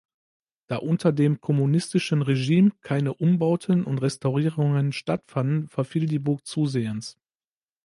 Da unter dem kommunistischen Regime keine Umbauten und Restaurierungen stattfanden, verfiel die Burg zusehends.